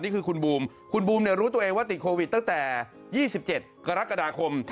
นี่คือคุณบูมคุณบูมเนี่ยรู้ตัวเองว่าติดโควิดตั้งแต่๒๗กรกฎาคม